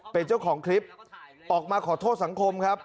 เป็นเจ้าของคลิปออกมาขอโทษสังคมครับ